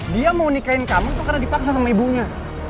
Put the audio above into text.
dia mau nikahin kamu tuh karena dipaksa sama ibunya